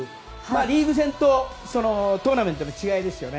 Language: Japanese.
リーグ戦とトーナメントの違いですよね。